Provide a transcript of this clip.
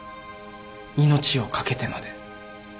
命を懸けてまで。